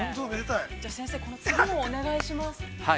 先生、この次もお願いします。